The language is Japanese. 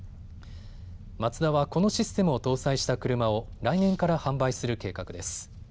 マツダはこのシステムを搭載した車を来年から販売する計画です。